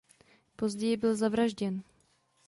Později byl zavražděn.